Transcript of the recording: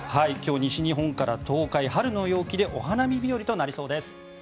今日、西日本から東海春の陽気でお花見日和となりそうです。